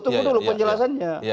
tunggu dulu penjelasannya